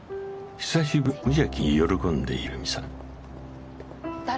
久しぶりの再会を無邪気に喜んでいる南さん誰？